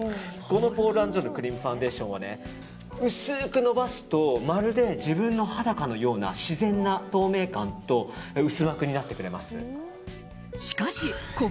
このポール＆ジョーのクリームファンデーションは薄く伸ばすとまるで自分の肌かのような自然な透明感と薄膜になってくれます。